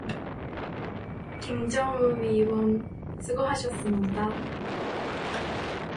김정우 위원 수고하셨습니다.